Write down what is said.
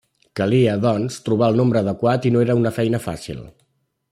Calia, doncs, trobar el nombre adequat i no era una feina fàcil.